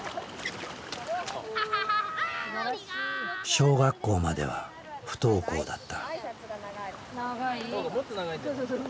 小学校までは不登校だった。